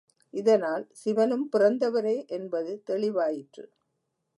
இதனால், சிவனும் பிறந்தவரே என்பது தெளிவாயிற்று.